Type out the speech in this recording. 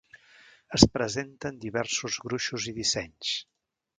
Es presenta en diversos gruixos i dissenys.